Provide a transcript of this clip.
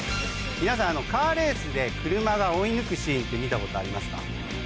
皆さんカーレースで車が追い抜くシーンって見たことありますか？